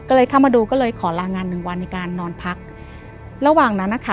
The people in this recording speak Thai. ก็เลยเข้ามาดูก็เลยขอลางานหนึ่งวันในการนอนพักระหว่างนั้นนะคะ